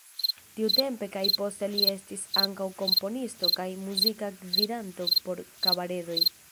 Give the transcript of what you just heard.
Tiutempe kaj poste li estis ankaŭ komponisto kaj muzika gvidanto por kabaredoj.